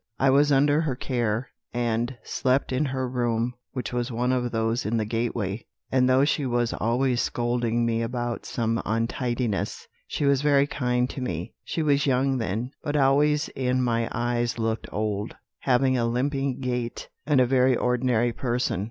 I was under her care, and slept in her room, which was one of those in the gateway; and though she was always scolding me about some untidiness, she was very kind to me. She was young then, but always in my eyes looked old, having a limping gait, and a very ordinary person.